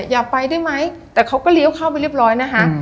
อย่าไปได้ไหมแต่เขาก็เลี้ยวเข้าไปเรียบร้อยนะคะ